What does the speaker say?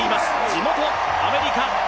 地元・アメリカ。